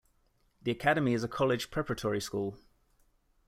The academy is a college preparatory school.